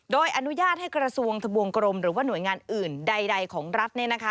โดยอนุญาตให้กระทรวงทะบวงกรมหรือว่าหน่วยงานอื่นใดของรัฐ